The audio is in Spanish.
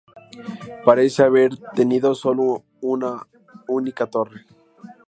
Parece haber tenido sólo una única torre.